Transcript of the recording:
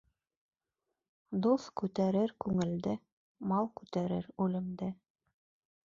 Дуҫ күтәрер күңелде, мал күтәрер үлемде.